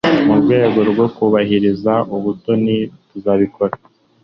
Mu rwego rwo kubahiriza ubutoni tuzabikora